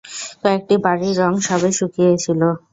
কয়েকটি বাড়ির রঙ সবে শুকিয়ে ছিল।